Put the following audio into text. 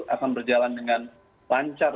akan berjalan dengan lancar